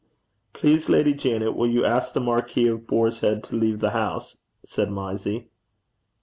'Please, Lady Janet, will you ask the Marquis of Boarshead to leave the house,' said Mysie.